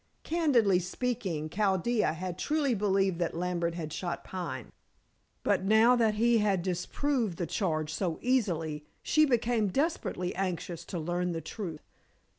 Candidly speaking, Chaldea had truly believed that Lambert had shot Pine, but now that he had disproved the charge so easily, she became desperately anxious to learn the truth.